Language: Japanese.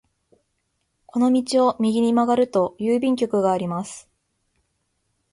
この道を右に曲がると郵便局があります。